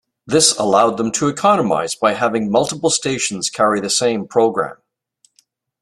This allowed them to economize by having multiple stations carry the same program.